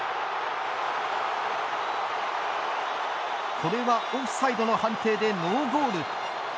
これはオフサイドの判定でノーゴール。